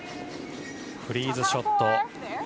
フリーズショット。